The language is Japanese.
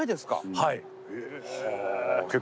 はい。